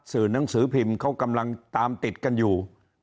หนังสือพิมพ์เขากำลังตามติดกันอยู่